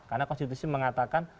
karena konstitusi mengatakan